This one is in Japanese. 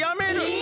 え！